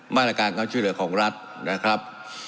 มาลักษณ์การกรับช่วยเหลือของรัฐนะครับนะครับ